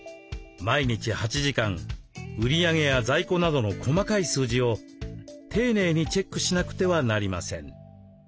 毎日８時間売り上げや在庫などの細かい数字を丁寧にチェックしなくてはなりません。